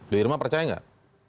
bu irma percaya nggak